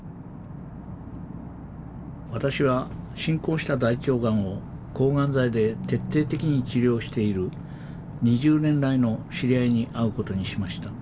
私は進行した大腸がんを抗がん剤で徹底的に治療している２０年来の知り合いに会うことにしました。